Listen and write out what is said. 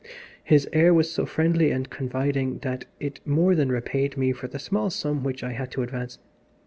His air was so friendly and confiding that it more than repaid me for the small sum which I had to advance.